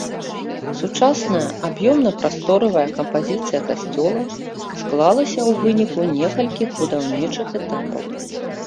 Сучасная аб'ёмна-прасторавая кампазіцыя касцёла склалася ў выніку некалькіх будаўнічых этапаў.